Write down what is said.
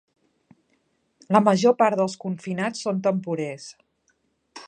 La major part dels confinats són temporers.